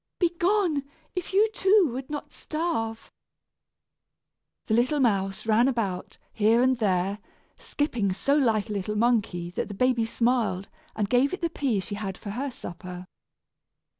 Begone, if you, too, would not starve." The little mouse ran about, here and there, skipping so like a little monkey that the baby smiled, and gave it the pea she had for her supper.